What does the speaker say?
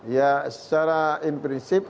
ya secara in prinsip